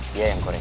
dia yang korek